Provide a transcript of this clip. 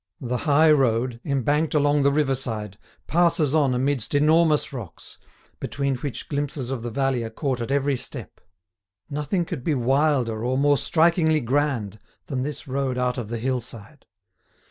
The high road, embanked along the riverside, passes on amidst enormous rocks, between which glimpses of the valley are caught at every step. Nothing could be wilder or more strikingly grand than this road out of the hillside.